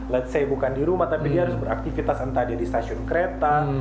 let's say bukan di rumah tapi dia harus beraktivitas entah dia di stasiun kereta